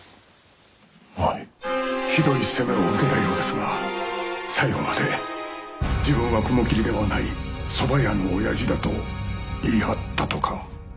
ひどい責めを受けたようですが最後まで自分は雲霧ではないそば屋のおやじだと言い張ったとか。